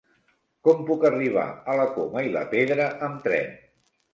Com puc arribar a la Coma i la Pedra amb tren?